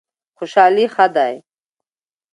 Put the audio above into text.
خوشحالي ښه دی.